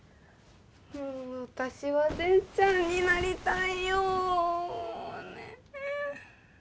もう私は善ちゃんになりたいよねえ